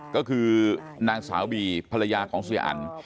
ก็คือนางสาวบีภรรยาของเสียอัน